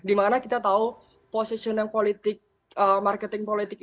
dimana kita tahu posisinya marketing politik ini juga akan membentukkan